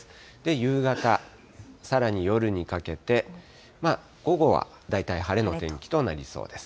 夕方、さらに夜にかけて、午後は大体晴れの天気となりそうです。